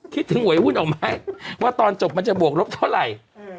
คิดถึงหวยวุ่นออกไหมว่าตอนจบมันจะบวกลบเท่าไหร่